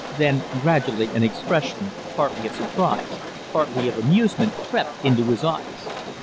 Then gradually an expression, partly of surprise, partly of amusement, crept into his eyes.